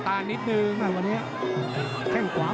ติดตามยังน้อยกว่า